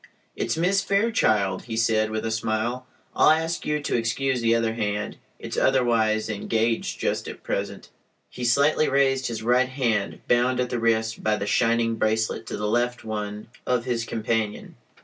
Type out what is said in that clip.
"It's Miss Fairchild," he said, with a smile. "I'll ask you to excuse the other hand; it's otherwise engaged just at present." He slightly raised his right hand, bound at the wrist by the shining "bracelet" to the left one of his companion.